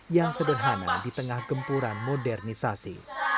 yang sederhana di tengah gempuran modernisasi